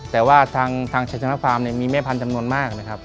แต่ว่าทางชัยชนะฟาร์มเนี่ยมีแม่พันธุ์จำนวนมากนะครับ